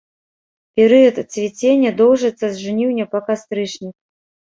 Перыяд цвіцення доўжыцца з жніўня па кастрычнік.